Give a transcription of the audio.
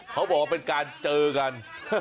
เขาบอกว่าเป็นการเจอกัน